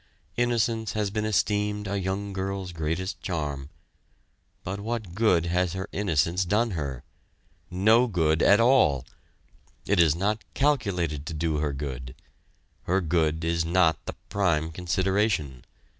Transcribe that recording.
Innocence has been esteemed a young girl's greatest charm, but what good has her innocence done her? No good at all! It is not calculated to do her good her good is not the prime consideration.